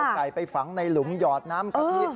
ไก่ไปฝังในหลุมหยอดน้ำกะทิ